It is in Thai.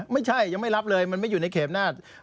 ยังไม่รับเลยมันไม่อยู่ในเขตอำนาจ